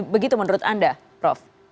begitu menurut anda prof